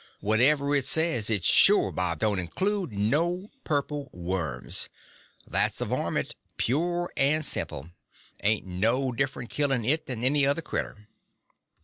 "Whatever it says, it sure bob don't include no purple worms. That's a varmint, pure and simple. Ain't no different killin' it than any other critter."